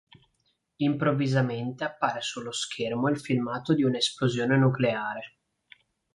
Improvvisamente appare sullo schermo il filmato di una esplosione nucleare.